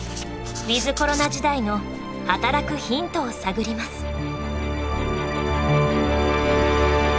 ウィズコロナ時代の働くヒントを探ります。